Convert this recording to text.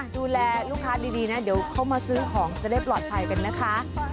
ดูแลลูกค้าดีนะเดี๋ยวเขามาซื้อของจะได้ปลอดภัยกันนะคะ